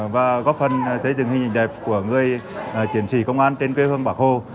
và góp phần xây dựng hình hình đẹp của người chiến sĩ công an trên quê hương bắc hồ